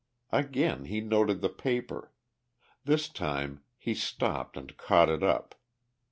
Again he noted the paper; this time he stooped and caught it up.